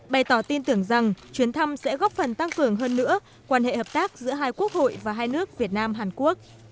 bày tỏ tin tưởng rằng chuyến thăm sẽ góp phần tăng cường hơn nữa quan hệ hợp tác giữa hai quốc hội và hai nước việt nam hàn quốc